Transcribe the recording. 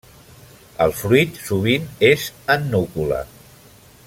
El fruit sovint és en núcula.